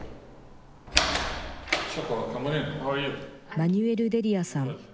マニュエル・デリアさん。